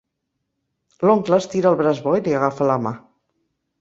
L'oncle estira el braç bo i li agafa la mà.